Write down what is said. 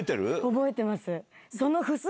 覚えてます。